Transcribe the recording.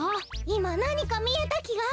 いまなにかみえたきが。